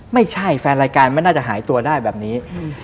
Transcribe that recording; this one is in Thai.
ไม่ใช่แฟนรายการไม่น่าจะหายตัวได้แบบนี้